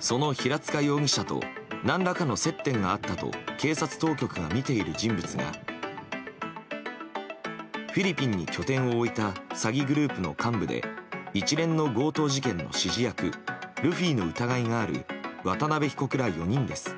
その平塚容疑者と何らかの接点があったと警察当局が見ている人物がフィリピンに拠点を置いた詐欺グループの幹部で一連の強盗事件の指示役ルフィの疑いがある渡辺被告ら４人です。